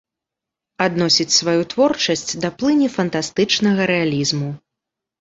Адносіць сваю творчасць да плыні фантастычнага рэалізму.